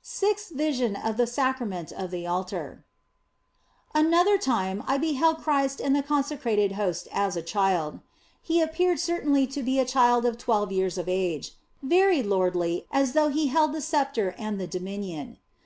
SIXTH VISION OF THE SACRAMENT OF THE ALTAR ANOTHER time I beheld Christ in the consecrated Host as a Child. He appeared certainly to be a child of twelve years of age, very lordly, as though He held the sceptre and the dominion.